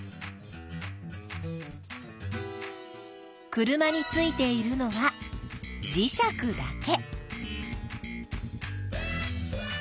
車についているのは磁石だけ。